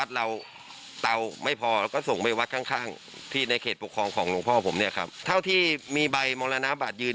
สามารถบุรณีเชาะโควิด๑๙ครับ